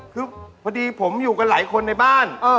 คือพอดีผมอยู่กันหลายคนในบ้าน